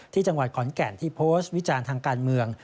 ที่จังหวัดขอนแก่นที่โพสต์วิจารณ์ทางการเมือง